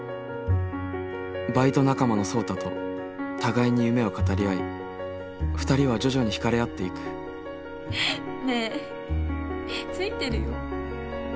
バイト仲間の聡太と互いに夢を語り合い２人は徐々に引かれ合っていくねえついてるよ。